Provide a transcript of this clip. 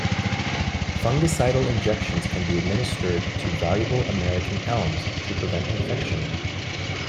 Fungicidal injections can be administered to valuable American elms, to prevent infection.